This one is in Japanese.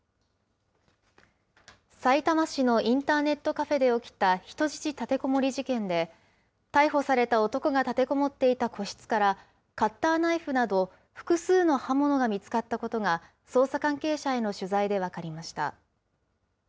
さいたま市のインターネットカフェで起きた人質立てこもり事件で、逮捕された男が立てこもっていた個室から、カッターナイフなど、複数の刃物が見つかったことが、捜査関係者への取材で分かりました。